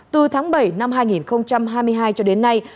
từ tháng bảy năm hai nghìn hai mươi hai cho đến nay